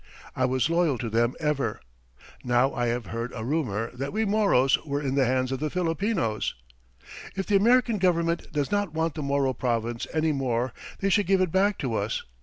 I was loyal to them ever. Now I have heard a rumour that we Moros are in the hands of the Filipinos.... "If the American Government does not want the Moro Province any more they should give it back to us.